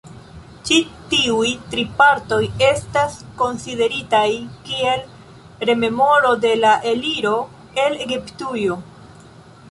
Ĉi tiuj tri partoj estas konsideritaj kiel rememoro de la eliro el Egiptujo.